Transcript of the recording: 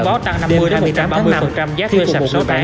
có bó tăng năm mươi một mươi tám giá thưa sạp sửa bán